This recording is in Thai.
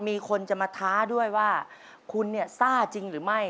มีคนจะมาท้าด้วยว่าคุณเนี่ยซ่าจริงหรือไม่